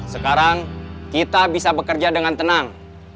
sekarang kita bisa bekerja dengan tenang